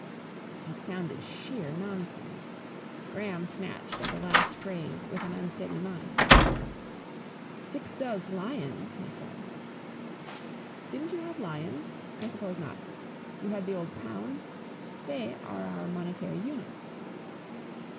It sounded sheer nonsense. Graham snatched at the last phrase with an unsteady mind. "Sixdoz lions?" he said. "Didn't you have lions? I suppose not. You had the old pounds? They are our monetary units."